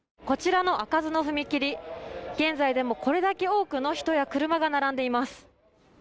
こちらの開かずの踏切現在でもこれだけ多くの人や車が並んでいます